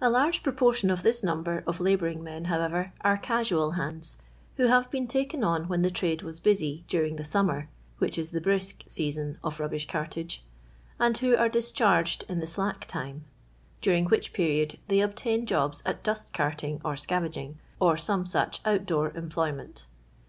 A large proportion of this number of labouring men, however, are casual hands, who have been taken on when the trade \^'as busy during the summer (which is the the "brisk season" of rubbish cartage), and who arc discharged in the slack time ; during which period they obtain jobs at dust carting or scavaging, or some such out door employment.